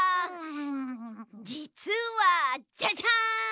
じつはジャジャン！